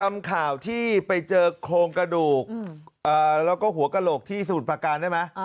คำข่าวที่ไปเจอโครงกระดูกและหัวกะหลวกที่สูตรประการได้ไหม